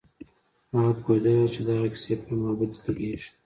هغه پوهېدله چې دغه کيسې پر ما بدې لگېږي.